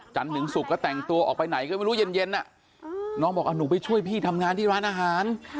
ถึงศุกร์ก็แต่งตัวออกไปไหนก็ไม่รู้เย็นน้องบอกหนูไปช่วยพี่ทำงานที่ร้านอาหาร